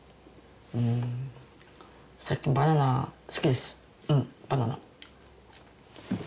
うん最近バナナ好きですうんバナナ